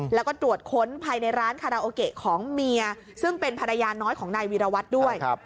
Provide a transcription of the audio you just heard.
แล้วก็ตรวจค้นภายในร้านคาราโอเกะของเมียซึ่งเป็นภรรยาน้อยของนายวีรวัตรด้วย